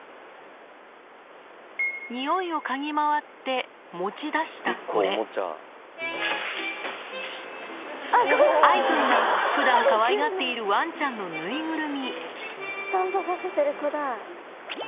匂いを嗅ぎ回って持ち出したこれあいくんが普段かわいがっているワンちゃんのぬいぐるみ